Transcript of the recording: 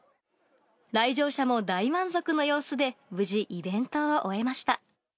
来場者も大満足の様子で、無事イベントを終えました。